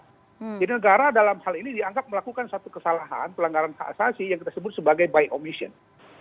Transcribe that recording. jadi negara dalam hal ini dianggap melakukan satu kesalahan pelanggaran keasasi yang kita sebut sebagai by omission